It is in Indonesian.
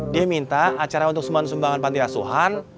dia minta acara untuk sumbangan sumbangan pantiasuhan